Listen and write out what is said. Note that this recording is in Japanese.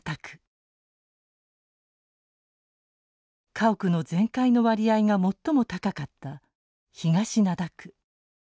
家屋の全壊の割合が最も高かった東灘区。